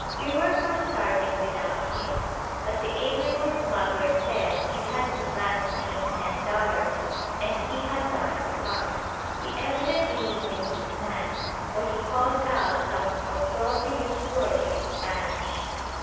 We were for starting without him; but the amiable smuggler said he had advanced him ten dollars and he had got to come. He evidently knew his man, for he called out some opprobrious words in Spanish.